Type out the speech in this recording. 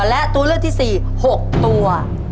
และตัวเลือกที่๔๖ตัว